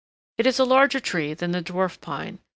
It is a larger tree than the Dwarf Pine.